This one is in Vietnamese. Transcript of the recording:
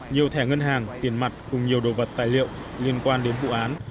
nhiều thẻ ngân hàng tiền mặt cùng nhiều đồ vật tài liệu liên quan đến vụ án